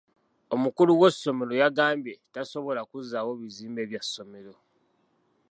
Omukulu w'essomero yagambye tasobola kuzzaawo bizimbe bya ssomero.